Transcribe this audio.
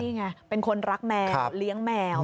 นี่ไงเป็นคนรักแมวเลี้ยงแมว